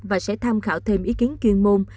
và sẽ tham khảo thêm ý kiến chuyên môn